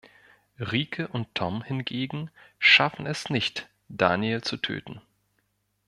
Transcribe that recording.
Rike und Tom hingegen schaffen es nicht, Daniel zu töten.